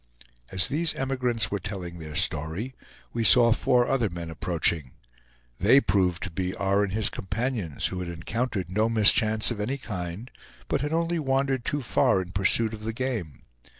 As these emigrants were telling their story, we saw four other men approaching. They proved to be R. and his companions, who had encountered no mischance of any kind, but had only wandered too far in pursuit of the game.